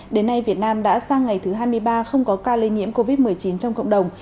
đến nay việt nam đã sang ngày thứ hai mươi ba không có ca lây nhiễm covid một mươi chín trong cộng đồng